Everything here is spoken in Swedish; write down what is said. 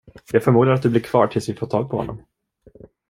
Jag förmodar att du blir kvar tills vi fått tag på honom.